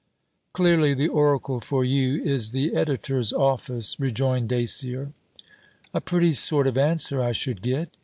'Clearly the oracle for you is the Editor's office,' rejoined Dacier. 'A pretty sort of answer I should get.'